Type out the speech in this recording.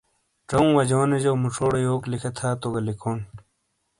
ژاؤں واجیونو جو موچھوڑے یوک لکھے تھا تو گا لیکھون